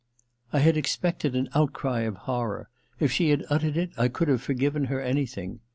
I had expected an outcry of horror ; if she had uttered it I could have forgiven her any thing.